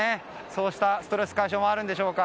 そうしたストレス解消もあるんでしょうか。